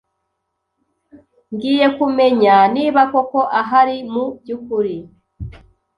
ngiye kumenya niba koko ahari mu by’ukuri.